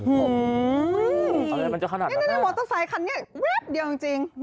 อื้อฮือนี่แบบวอเตอร์ไซค์คันนี้เว๊บเดียวจริง